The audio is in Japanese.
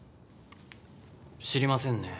知りませんね。